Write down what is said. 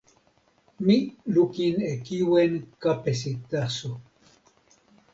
mi lukin e kiwen kapesi taso.